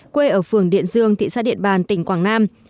quê ở phường điện dương thị xã điện bàn tỉnh quảng nam